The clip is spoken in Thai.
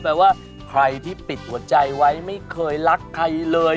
แปลว่าใครที่ปิดหัวใจไว้ไม่เคยรักใครเลย